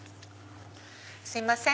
すいません。